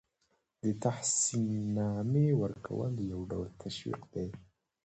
د تحسین نامې ورکول یو ډول تشویق دی.